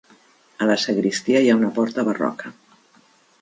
A la sagristia hi ha una porta barroca.